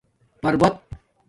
پربت